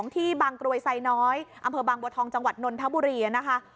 ที่บางกรวยไซน้อยอำเภอบางบัวทองจังหวัดนนทบุรีนะคะ